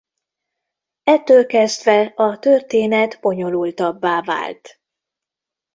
Ettől kezdve a történet bonyolultabbá vált.